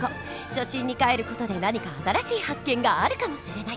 初心にかえる事で何か新しい発見があるかもしれない！